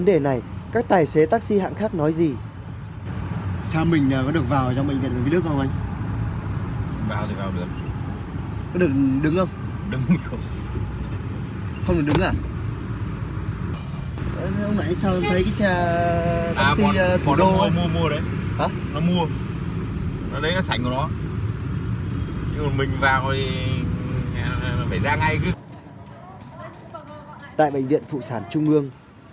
được taxi kia hợp đồng bệnh viện